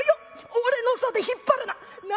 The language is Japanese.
俺の袖引っ張るな。